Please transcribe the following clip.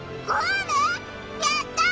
やった！